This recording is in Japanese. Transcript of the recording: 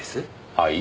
はい？